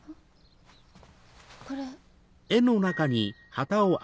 これ。